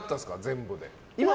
全部で。